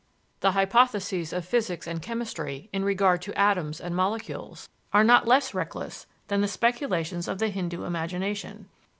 The hypotheses of physics and chemistry in regard to atoms and molecules are not less reckless than the speculations of the Hindoo imagination.